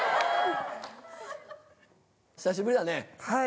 久しぶりだね。